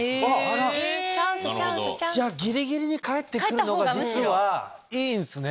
じゃあギリギリに帰ってくるのがいいんすね。